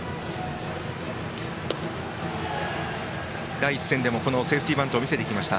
第１戦でもセーフティーバントを見せてきました。